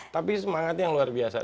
tapi semangatnya yang luar biasa